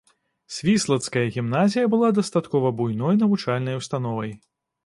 Свіслацкая гімназія была дастаткова буйной навучальнай установай.